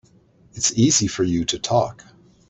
It's easy for you to talk.